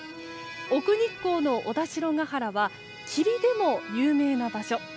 奥日光の小田代原は霧でも有名な場所。